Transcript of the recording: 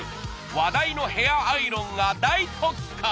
話題のヘアアイロンが大特価！